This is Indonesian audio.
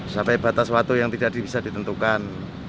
sampai batas waktu yang tidak bisa ditentukan